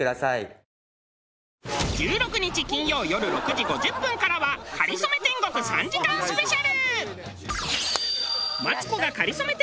１６日金曜よる６時５０分からは『かりそめ天国』３時間スペシャル。